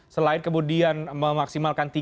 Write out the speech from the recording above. selain kemudian memaksimalkan tiga t